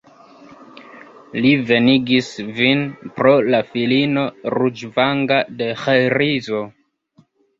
Li venigis vin pro la filino ruĝvanga de Ĥrizo.